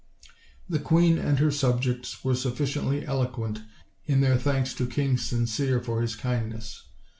The queen and her subjects were sufficiently eloquent in their thanks to King Sincere for his kindness.